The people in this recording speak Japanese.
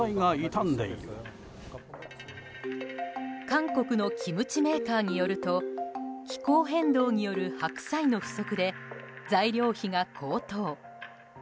韓国のキムチメーカーによると気候変動による白菜の不足で材料費が高騰。